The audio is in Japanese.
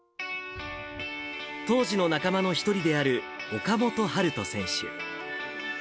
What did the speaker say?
当時の仲間の１人である岡本はると選手。